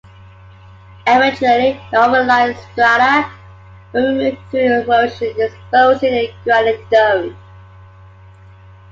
Eventually the overlying strata were removed through erosion, exposing the granite dome.